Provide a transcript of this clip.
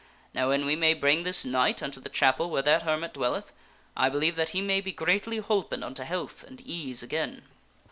Now, an we may bring this knight unto the chapel where that hermit dwelleth, I believe that he may be greatly holpen unto health and ease again."